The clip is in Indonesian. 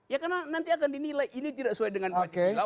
ya karena nanti akan dinilai ini tidak sesuai dengan pancasila